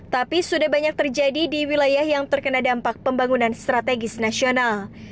tapi sudah banyak terjadi di wilayah yang terkena dampak pembangunan strategis nasional